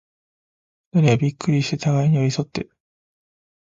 二人はびっくりして、互に寄り添って、